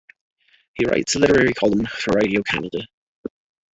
He writes a literary column for "Radio-Canada".